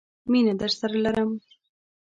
مينه درسره لرم.